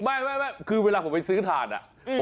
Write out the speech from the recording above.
ไม่คือเวลาผมไปซื้อถ่านอะ